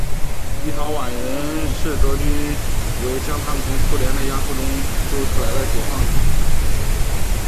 立陶宛人视德军为将他们从苏联的压迫中救出来的解放者。